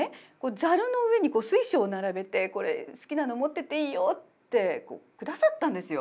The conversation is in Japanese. ザルの上に水晶を並べて「これ好きなの持ってっていいよ」ってくださったんですよ。